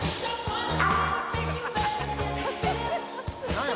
何や？